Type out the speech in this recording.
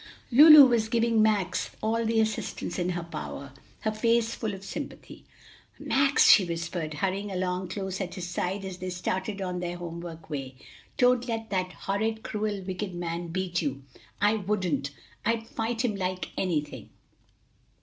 Lulu was giving Max all the assistance in her power, her face full of sympathy. "Max," she whispered, hurrying along close at his side as they started on their homeward way, "don't let that horrid, cruel, wicked man beat you! I wouldn't. I'd fight him like anything!"